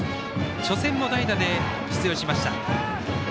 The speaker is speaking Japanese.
初戦も代打で、出場しました。